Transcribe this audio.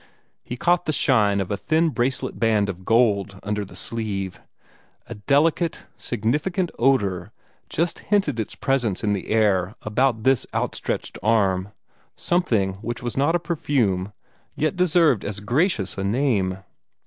He caught the shine of a thin bracelet band of gold under the sleeve. A delicate, significant odor just hinted its presence in the air about this outstretched arm something which was not a perfume, yet deserved as gracious a name.